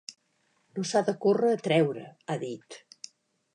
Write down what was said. “No s’ha de córrer a treure”, ha dit.